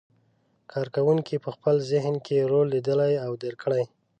کار کوونکي په خپل ذهن کې رول لیدلی او درک کړی.